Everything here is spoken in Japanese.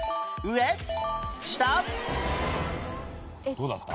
どうだった？